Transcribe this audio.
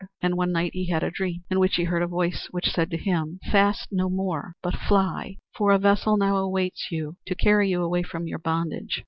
And one night he had a dream in which he heard a voice, which said to him: "Fast no more, but fly, for a vessel now awaits you to carry you away from your bondage.